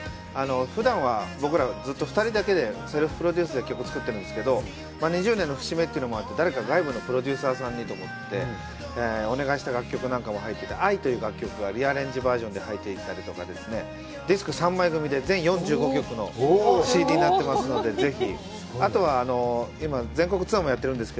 ふだんは僕ら、ずっと２人だけでセルフプロデュースで曲を作ってるんですけど、２０年の節目もあって誰か外部のプロデューサーさんにと思って、お願いした楽曲なんかも入ってて、「藍」という楽曲がリアレンジバージョンで入ってたりとか、ディスク３枚組で全４５曲のＣＤになってますので、ぜひ。